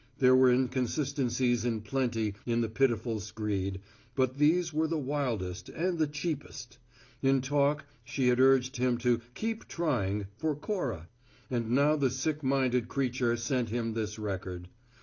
There were inconsistencies in plenty in the pitiful screed, but these were the wildest and the cheapest. In talk, she had urged him to "keep trying," for Cora, and now the sick minded creature sent him this record.